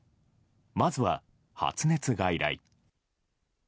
まずは、発熱外来。